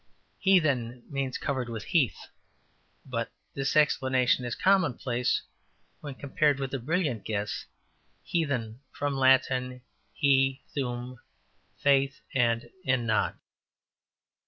``Heathen'' means ``covered with heath''; but this explanation is commonplace when compared with the brilliant guess ``Heathen, from Latin `hthum,' faith, and `en,' not.''